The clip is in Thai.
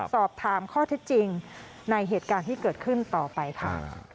สอบถามข้อเท็จจริงในเหตุการณ์ที่เกิดขึ้นต่อไปค่ะ